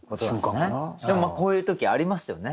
でもこういう時ありますよね。